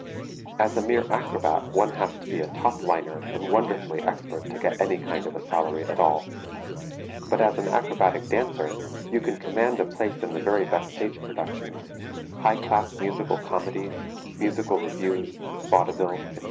As a mere acrobat one has to be a top liner and wonderfully expert to get any kind of a salary at all, but as an acrobatic dancer you can command a place in the very best stage productions, high class musical comedies, musical revues, vaudeville, etc.